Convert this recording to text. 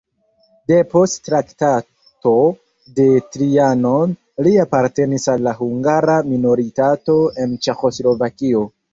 Depost Traktato de Trianon li apartenis al la hungara minoritato en Ĉeĥoslovakio.